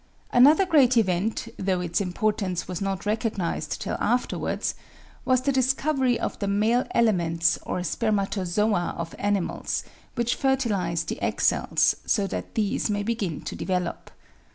Another great event, though its importance was not recog nised till afterwards, was the discovery of the male elements or spermatozoa of animals, which fertilise the egg cells so that these may begin to develop.